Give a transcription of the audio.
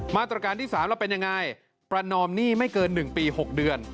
มาตรการที่๓เราเป็นยังไงประนอมหนี้ไม่เกิน๑ปี๖เดือน